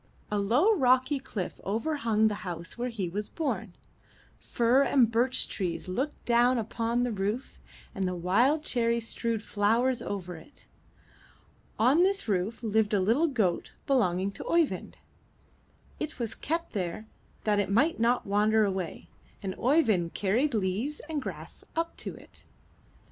A low, rocky cliff over hung the house where he was born; fir and birch trees looked down upon the roof, and the wild cherry strewed flowers over it. On this roof lived a little goat belonging to Oeyvind; it was kept there that it might not wander away, and Oeyvind carried leaves and grass up to it.